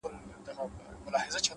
پرمختګ د ثابتو هڅو حاصل دی,